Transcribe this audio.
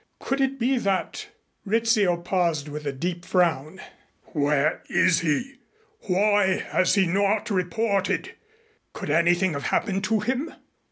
Could it be that " Rizzio paused with a deep frown. "Where is he? Why has he not reported? Could anything have happened to him?